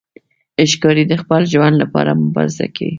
ښکاري د خپل ژوند لپاره مبارزه کوي.